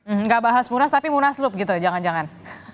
enggak bahas munas tapi munaslup gitu jangan jangan